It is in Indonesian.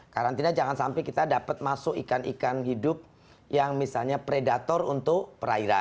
karantina jangan sampai kita dapat masuk ikan ikan hidup yang misalnya predator untuk perairan